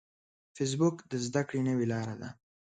فېسبوک د زده کړې نوې لاره ده